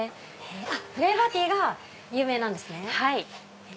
あっフレーバーティーが有名なんですね。